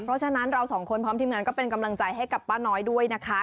เพราะฉะนั้นเราสองคนพร้อมทีมงานก็เป็นกำลังใจให้กับป้าน้อยด้วยนะคะ